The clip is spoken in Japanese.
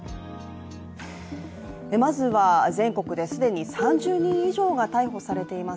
まずは、全国ですでに３０人以上が逮捕されています